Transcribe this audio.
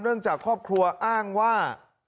เนื่องจากครอบครัวอ้างว่า